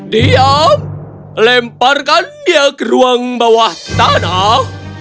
dia lemparkan dia ke ruang bawah tanah